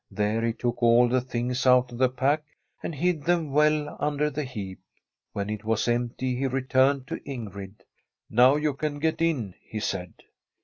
There he took all the things out of the pack, and hid them well under the heap. When it was empty he returned to Ingrid. ' Now you can get in,' he said.